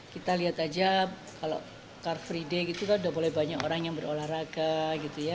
kita lihat aja kalau car free day gitu kan udah mulai banyak orang yang berolahraga gitu ya